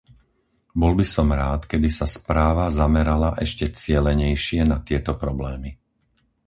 Bol by som rád, keby sa správa zamerala ešte cielenejšie na tieto problémy.